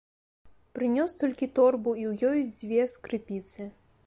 Прынёс толькі торбу і ў ёй дзве скрыпіцы.